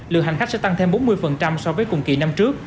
lượng hành khách sẽ tăng thêm bốn mươi so với cùng kỳ năm trước